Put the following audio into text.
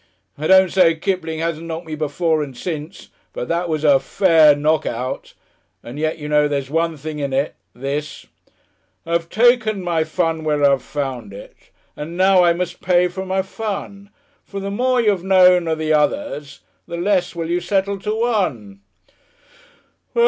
I don't say Kipling hasn't knocked me before and since, but that was a Fair Knock Out. And yet you know there's one thing in it ... this: "I've taken my fun where I've found it, And now I must pay for my fun, For the more you 'ave known o' the others, The less will you settle to one " Well.